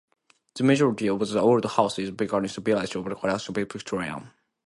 The majority of the older houses in Bickenhill village are Georgian or Victorian.